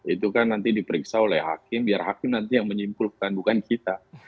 itu kan nanti diperiksa oleh hakim biar hakim nanti yang menyimpulkan bukan kita